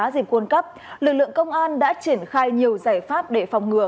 dìm quân cấp lực lượng công an đã triển khai nhiều giải pháp để phòng ngừa